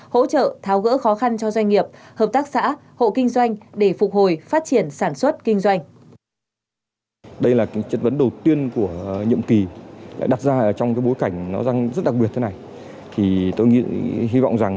hỗ trợ tháo gỡ khó khăn cho doanh nghiệp hợp tác xã hộ kinh doanh để phục hồi phát triển sản xuất kinh doanh